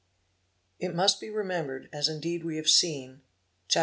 It must be remembered, as indeed we have seen, Chap.